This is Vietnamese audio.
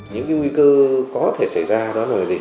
những nguy cơ có thể xảy ra là gì